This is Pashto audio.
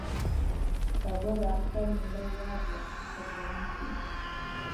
سبا د اختر لومړۍ ورځ وه چې قرباني کېږي.